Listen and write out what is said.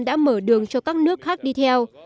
đã mở đường cho các nước khác đi theo